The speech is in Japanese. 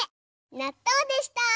なっとうでした！